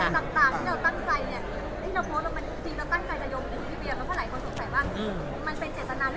ที่เราโพสต์ลงมาจริงเราตั้งใจจะยมพูดพี่เวีย